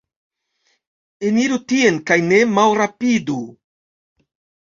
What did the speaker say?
Eniru tien, kaj ne malrapidu.